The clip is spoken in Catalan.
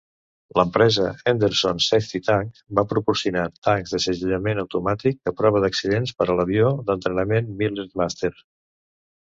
L'empresa Henderson Safety Tank va proporcionar tancs de segellament automàtic a prova d'accidents per a l'avió d'entrenament Milers Màster.